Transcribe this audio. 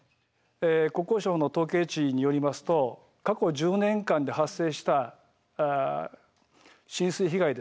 国交省の統計値によりますと過去１０年間で発生した浸水被害ですね。